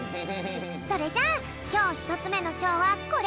それじゃあきょうひとつめのしょうはこれ！